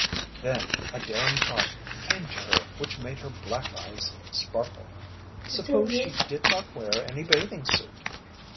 Then a daring thought came to her which made her black eyes sparkle. Suppose she did not wear any bathing suit!